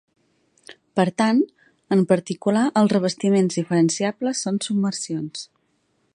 Per tant, en particular els revestiments diferenciables són submersions.